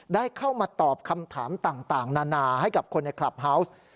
ได้เข้ามาตอบคำถามต่างนานาให้กับคนในคลับเฮาวส์